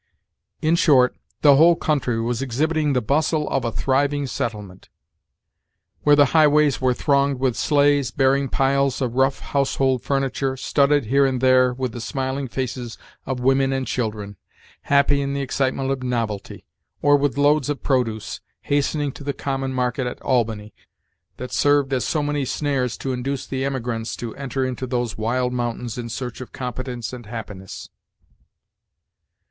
In short, the whole country was exhibiting the bustle of a thriving settlement, where the highways were thronged with sleighs, bearing piles of rough household furniture, studded, here and there, with the smiling faces of women and children, happy in the excitement of novelty; or with loads of produce, hastening to the common market at Albany, that served as so many snares to induce the emigrants to enter into those wild mountains in search of competence and happiness.